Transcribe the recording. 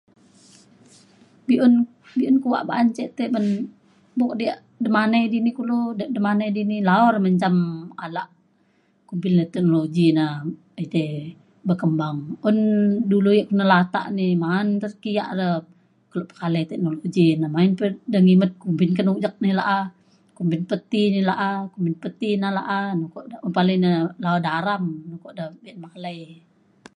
be’un be’un kuak ba’an ce buk diak demanai dini kulo dak demanai dini lao re menjam alak kumbin teknologi na edei berkembang. un dulu yak latak ni maan te kiak re kelo pekalai teknologi na main pa de ngimet kumbin ke nujek na la’a kumbin pe ti ini la’a kumbin pe ti ina la’a ukok da un palai da la’o daram da ukok pekalai